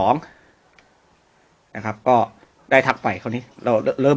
นะครับก็ได้ทักฝ่ายคนนี้